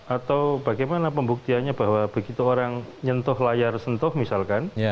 atau bagaimana pembuktiannya bahwa begitu orang nyentuh layar sentuh misalkan